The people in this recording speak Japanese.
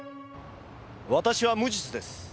私は無実です。